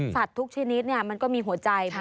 สัตว์ทุกชนิดเนี่ยมันก็มีหัวใจ